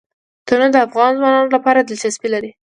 تنوع د افغان ځوانانو لپاره دلچسپي لري.